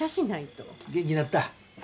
元気になった？